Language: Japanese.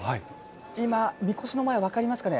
今、みこしの前、分かりますかね。